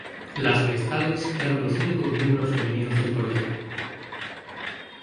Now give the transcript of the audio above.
Las Vestales eran los únicos miembros femeninos del colegio.